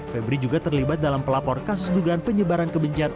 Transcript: febri juga terlibat dalam pelapor kasus dugaan penyebaran kebencian